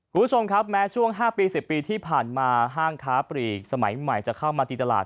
คุณผู้ชมครับแม้ช่วง๕ปี๑๐ปีที่ผ่านมาห้างค้าปลีกสมัยใหม่จะเข้ามาตีตลาด